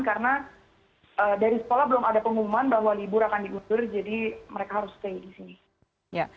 karena dari sekolah belum ada pengumuman bahwa libur akan diutur jadi mereka harus stay di sini